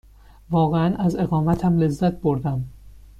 واقعاً از اقامتم لذت بردم.